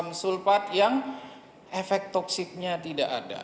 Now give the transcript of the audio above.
ini adalah sebuah kecepatan yang efek toksiknya tidak ada